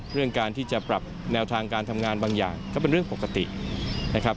เรื่องการที่จะปรับแนวทางการทำงานบางอย่างก็เป็นเรื่องปกตินะครับ